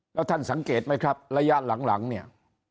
แล้วท่านสังเกตไหมครับระยะหลังเนี่ย